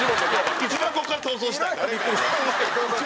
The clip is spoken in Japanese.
ここから逃走したい？